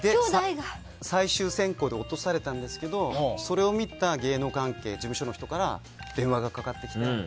最終選考で落とされたんですけどそれを見た芸能関係の事務所の人から電話がかかってきて。